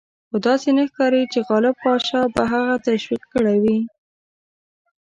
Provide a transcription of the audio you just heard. خو داسې نه ښکاري چې غالب پاشا به هغه تشویق کړی وي.